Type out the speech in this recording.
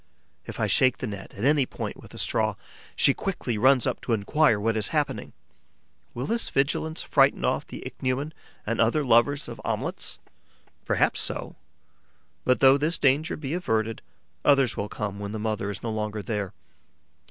If I shake the net at any point with a straw, she quickly runs up to enquire what is happening. Will this vigilance frighten off the Ichneumon and other lovers of omelettes? Perhaps so. But, though this danger be averted, others will come when the mother is no longer there.